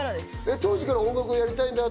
当時から音楽を作りたいって？